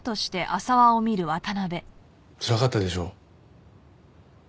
つらかったでしょ？